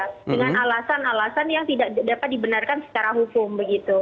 dengan alasan alasan yang tidak dapat dibenarkan secara hukum begitu